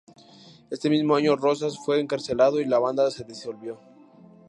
Este mismo año Rosas fue encarcelado y la banda se disolvió.